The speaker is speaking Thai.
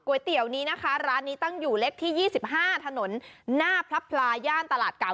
เตี๋ยวนี้นะคะร้านนี้ตั้งอยู่เล็กที่๒๕ถนนหน้าพระพลายย่านตลาดเก่า